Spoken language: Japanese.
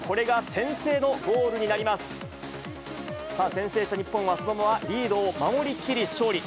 先制した日本は、そのままリードを守りきり勝利。